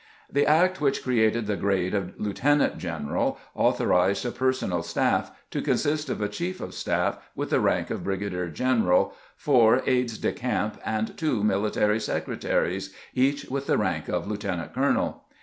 The act which created the grade of lieutenant general authorized a personal staff, to consist of a chief of staff with the rank of brigadier general, four aides de camp, and two military secretaries, each with the rank of lieu tenant colonel.